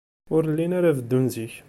Ur llin ara beddun zik.